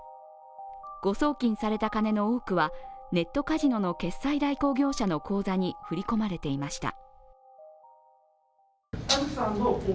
ご送金された金の多くはネットカジノの決済代行業者の口座に振り込まれていました。